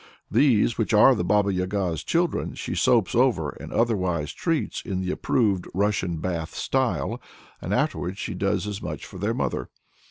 These, which are the Baba Yaga's children, she soaps over and otherwise treats in the approved Russian bath style, and afterwards she does as much for their mother.